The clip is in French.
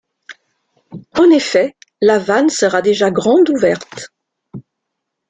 En effet, la vanne sera déjà grande ouverte.